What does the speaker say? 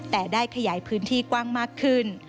แต่ได้ขยายพื้นที่กว้างมากขึ้น